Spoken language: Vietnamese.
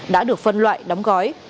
đã được phân loại đóng gói